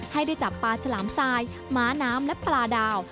ให้ได้จับปลาฉลามทรายม้าน้ำและปลาดาว